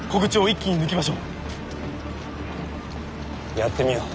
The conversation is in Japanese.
やってみよ。